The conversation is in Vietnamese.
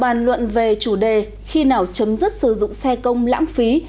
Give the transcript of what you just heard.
bàn luận về chủ đề khi nào chấm dứt sử dụng xe công lãng phí